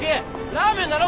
ラーメンだろ？